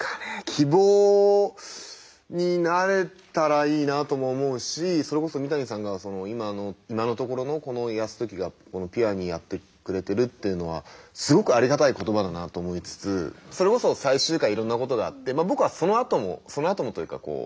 希望になれたらいいなとも思うしそれこそ三谷さんが今の今のところのこの泰時がピュアにやってくれてるっていうのはすごくありがたい言葉だなと思いつつそれこそ最終回いろんなことがあって僕はそのあともそのあともというかこう。